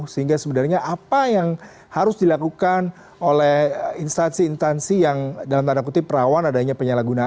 sehingga sebenarnya apa yang harus dilakukan oleh instansi instansi yang dalam tanda kutip rawan adanya penyalahgunaan